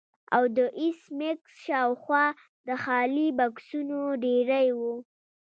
او د ایس میکس شاوخوا د خالي بکسونو ډیرۍ وه